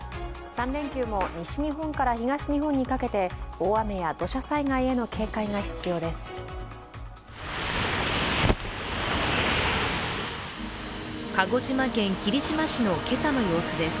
３連休も西日本から東日本にかけて、大雨や土砂災害への警戒が必要です。